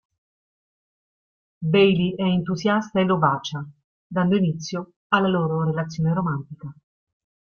Bailey è entusiasta e lo bacia, dando inizio alla loro relazione romantica.